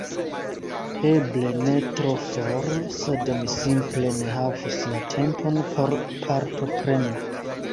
Eble ne tro for, sed mi simple ne havus la tempon por partopreni.